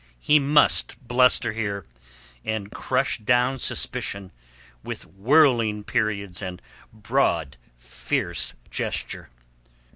He must bluster here, and crush down suspicion with whorling periods and broad, fierce gesture.